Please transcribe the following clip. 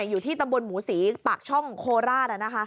อยู่ที่ตำบลหมูศรีปากช่องโคราช